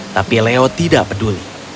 tapi leo tidak peduli